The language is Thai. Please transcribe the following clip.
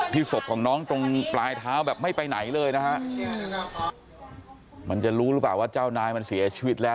ศพของน้องตรงปลายเท้าแบบไม่ไปไหนเลยนะฮะมันจะรู้หรือเปล่าว่าเจ้านายมันเสียชีวิตแล้ว